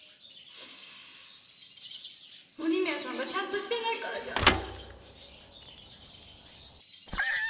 森宮さんがちゃんとしてないからじゃん。